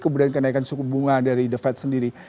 kemudian kenaikan suku bunga dari the fed sendiri